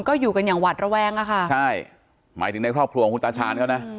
ก็อยู่กันอย่างหวัดระแวงอะค่ะใช่หมายถึงในครอบครัวของคุณตาชาญเขานะ